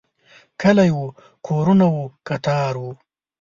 کلی و، کورونه و، کتار و